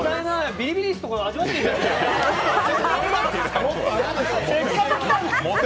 ビリビリ椅子とか味わっていただいて。